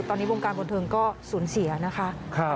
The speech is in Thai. ตอนนี้วงการบันเทิงก็สูญเสียนะคะ